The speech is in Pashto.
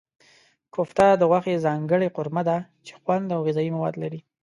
کوفته د غوښې ځانګړې قورمه ده چې خوند او غذايي مواد لري.